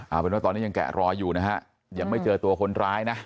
เอาเป็นว่าตอนนี้ยังแกะรอยอยู่นะฮะยังไม่เจอตัวคนร้ายนะ